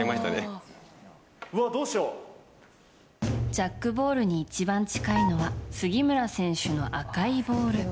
ジャックボールに一番近いのは杉村選手の赤いボール。